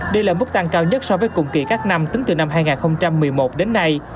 đây là mức tăng cao nhất so với cùng kỳ các năm tính từ năm hai nghìn một mươi một đến nay